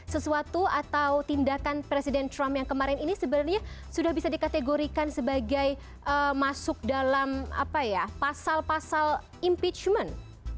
sesuatu atau tindakan presiden trump yang kemarin ini sebenarnya sudah bisa dikategorikan sebagai masuk dalam pasal pasal impeachment